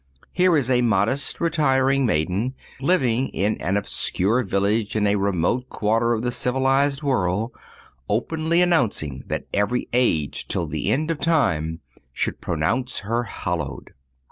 Here is a modest, retiring maiden, living in an obscure village in a remote quarter of the civilized world, openly announcing that every age till the end of time, should pronounce her hallowed.